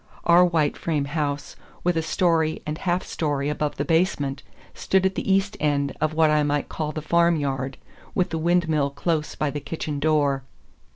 Our white frame house, with a story and half story above the basement, stood at the east end of what I might call the farmyard, with the windmill close by the kitchen door.